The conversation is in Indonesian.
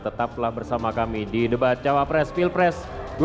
setelah bersama kami di debat cawa press pilpres dua ribu sembilan belas